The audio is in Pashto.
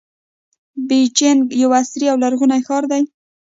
بیجینګ یو عصري او لرغونی ښار دی.